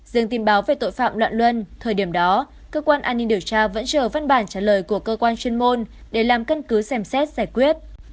riêng tin báo về tội phạm loạn luân thời điểm đó cơ quan an ninh điều tra vẫn chờ văn bản trả lời của cơ quan chuyên môn để làm căn cứ xem xét giải quyết